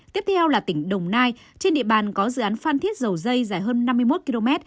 tiếp theo là tỉnh đồng nai trên địa bàn có dự án phan thiết dầu dây dài hơn năm mươi một km